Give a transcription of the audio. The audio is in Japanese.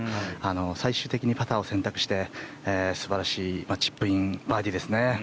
最終的にパターを選択して素晴らしいチップインバーディーですね。